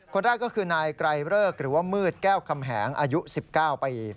คนแรกก็คือนายไกรเริกหรือว่ามืดแก้วคำแหงอายุ๑๙ปี